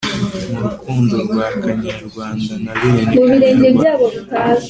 m'urukundo rwa kanyarwanda na bene kanyarwanda